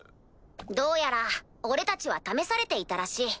どうやら俺たちは試されていたらしい。